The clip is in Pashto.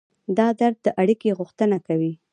دا درد د اړیکې غوښتنه کوي.